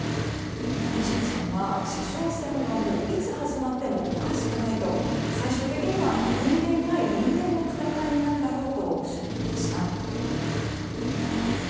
西野さんは地上戦はもういつ始まってもおかしくないと最終的には人間対人間の戦いになるだろうとおっしゃっていました。